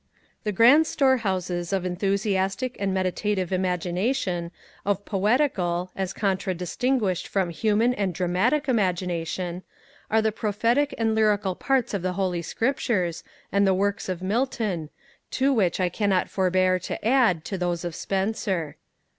The grand storehouses of enthusiastic and meditative Imagination, of poetical, as contra distinguished from human and dramatic Imagination, are the prophetic and lyrical parts of the Holy Scriptures, and the works of Milton; to which I cannot forbear to add to those of Spenser.